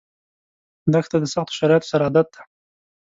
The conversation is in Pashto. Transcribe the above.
دښته د سختو شرایطو سره عادت ده.